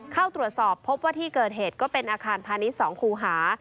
เข้าตรวจสอบพบว่าที่เกิดเหตุก็เป็นอาคารพาณิชย์๒คูหา